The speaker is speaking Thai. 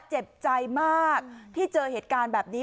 เจ็บใจมากที่เจอเหตุการณ์แบบนี้